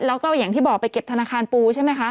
แล้วก็อย่างที่บอกไปเก็บธนาคารปูใช่ไหมคะ